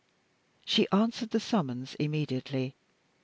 She answered the summons immediately.